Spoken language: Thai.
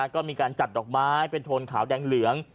ก็มีการจัดดอกไม้เป็นโทนขาวแดงเหลือง